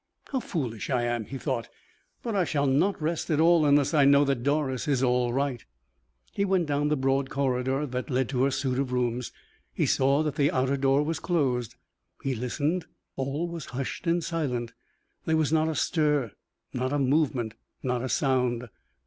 "How foolish I am," he thought; "but I shall not rest at all unless I know that Doris is all right." He went down the broad corridor that led to her suit of rooms; he saw that the outer door was closed; he listened, all was hushed and silent; there was not a stir, not a movement, not a sound.